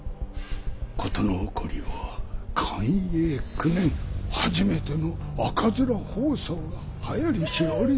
事の起こりは寛永九年初めての赤面疱瘡がはやりし折に。